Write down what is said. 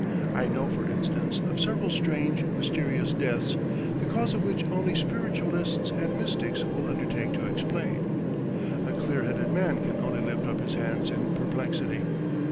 I know, for instance, of several strange, mysterious deaths, the cause of which only spiritualists and mystics will undertake to explain; a clear headed man can only lift up his hands in perplexity.